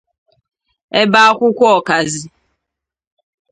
ebe akwụkwọ ọkazị